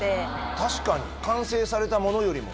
確かに完成されたものよりも。